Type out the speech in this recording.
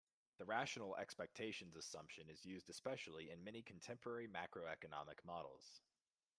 The rational expectations assumption is used especially in many contemporary macroeconomic models.